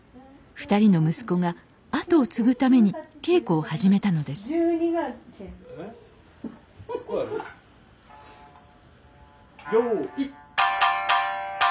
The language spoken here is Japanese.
２人の息子が跡を継ぐために稽古を始めたのですよい。